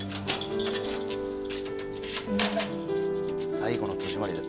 最後の戸締まりですねこれは。